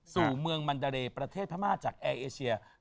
สู่เมืองมันเดรต์ประเทศธรรมน์จากแอร์เอเชีย